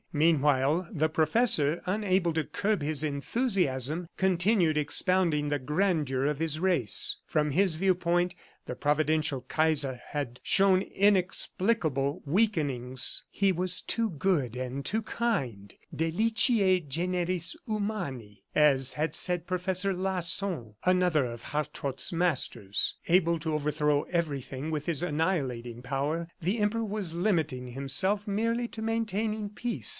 Meanwhile, the professor, unable to curb his enthusiasm, continued expounding the grandeur of his race. From his viewpoint, the providential Kaiser had shown inexplicable weakenings. He was too good and too kind. "Deliciae generis humani," as had said Professor Lasson, another of Hartrott's masters. Able to overthrow everything with his annihilating power, the Emperor was limiting himself merely to maintaining peace.